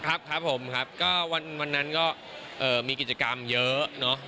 ครับคับก็วันนั้นก็มีกิจกรรมเยอะ